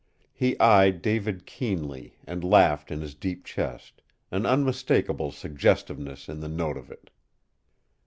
He eyed David keenly and laughed in his deep chest, an unmistakable suggestiveness in the note of it.